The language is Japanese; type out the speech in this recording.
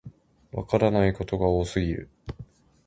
わからないことが多すぎる